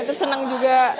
terus senang juga